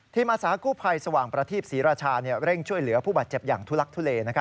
อาสากู้ภัยสว่างประทีปศรีราชาเร่งช่วยเหลือผู้บาดเจ็บอย่างทุลักทุเล